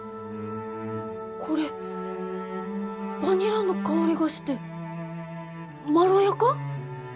これバニラの香りがしてまろやか？